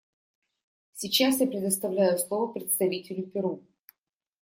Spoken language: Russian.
Сейчас я предоставляю слово представителю Перу.